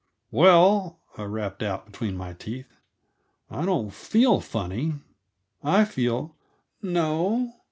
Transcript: "Well," I rapped out between my teeth, "I don't feel funny. I feel " "No?